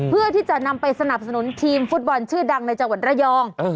เพื่อที่จะนำไปสนับสนุนทีมฟุตบอลชื่อดังในจังหวัดระยอง